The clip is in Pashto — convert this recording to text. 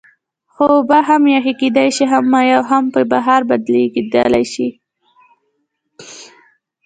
هو اوبه هم یخ کیدای شي هم مایع او هم په بخار بدلیدلی شي